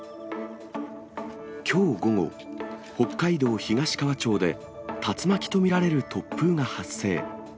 きょう午後、北海道東川町で、竜巻と見られる突風が発生。